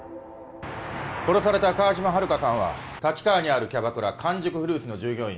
殺された川島春香さんは立川にあるキャバクラ「完熟フルーツ」の従業員